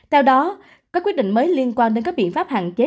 theo đó có quyết định mới liên quan đến các biện pháp hạn chế